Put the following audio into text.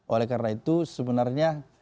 oleh karena itu sebenarnya